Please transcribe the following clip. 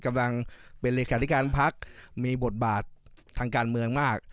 กำลังเป็นการภักดิ์โบสถ์บาททางการเมืองมาก